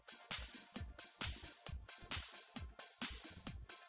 terima kasih untuk hidup saja